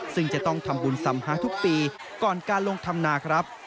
ซึ่งจะต้องทำบุญสำหาทุกปีก่อนการลงทำนาครับ